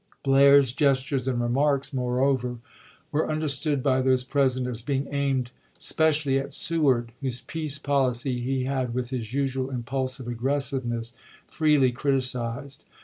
Blair's gestures and remarks, moreover, were understood by those present as being aimed specially at Sew ard, whose peace policy he had, with his usual im pulsive aggressiveness, freely criticised.